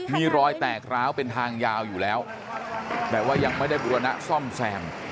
มีรอยแตกร้าวเป็นทางยาวอยู่แล้วแต่ว่ายังไม่ได้บุรณะซ่อมแซม